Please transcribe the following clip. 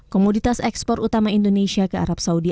komoditas ekspor utama indonesia ke arab saudi